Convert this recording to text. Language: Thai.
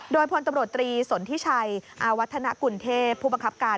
โดยพลตำรวจตรีสนทิชัยอาวัฒนกุลเทพผู้บังคับการ